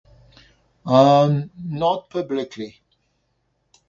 Um, not publicly.